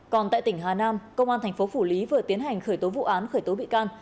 còn tại tỉnh hà nam công an thành phố phủ lý vừa tiến hành khởi tố vụ án khởi tố bị can